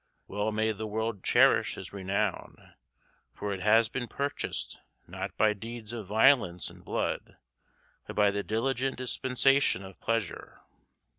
Well may the world cherish his renown, for it has been purchased not by deeds of violence and blood, but by the diligent dispensation of pleasure.